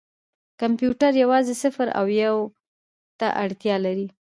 کمپیوټر یوازې صفر او یو ته اړتیا لري.